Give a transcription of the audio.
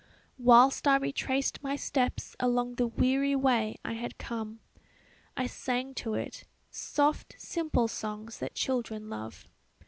"Whilst I retraced my steps along the weary way I had come, I sang to it, soft simple songs that children love.